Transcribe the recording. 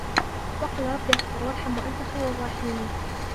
وقل رب اغفر وارحم وأنت خير الراحمين